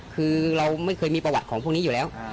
คือเราไม่เคยมีประวัติของพวกนี้อยู่แล้ว